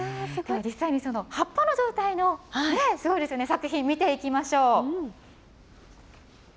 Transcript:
実際にその葉っぱの状態の作品、見ていきましょう。